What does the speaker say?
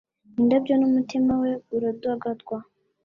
indabyo n'umutima we uradagadwa